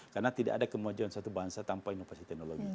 karena tidak ada kemajuan satu bangsa tanpa inovasi teknologi